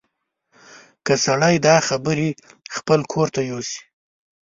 که سړی دا خبرې خپل ګور ته یوسي.